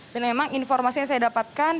dan memang informasi yang saya dapatkan